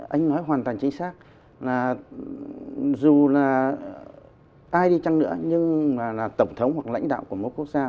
anh nói hoàn toàn chính xác là dù là ai đi chăng nữa nhưng mà là tổng thống hoặc lãnh đạo của mỗi quốc gia